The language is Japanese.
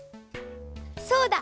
そうだ。